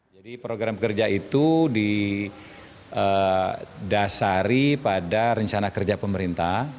jadi program kerja itu didasari pada rencana kerja pemerintah